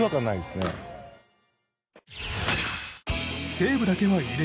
西武だけは、異例。